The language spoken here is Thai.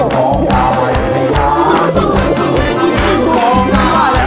ผองหน้าและพินัท